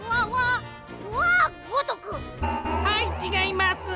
はいちがいます！